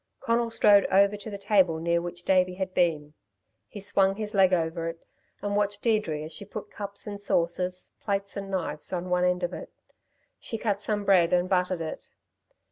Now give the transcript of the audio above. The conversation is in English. Conal strode over to the table near which Davey bad been. He swung his leg over it, and watched Deirdre as she put cups and saucers, plates and knives on one end of it. She cut some bread and buttered it.